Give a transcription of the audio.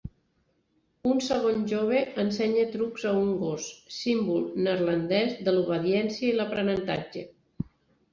Un segon jove ensenya trucs a un gos, símbol neerlandès de l'obediència i l’aprenentatge.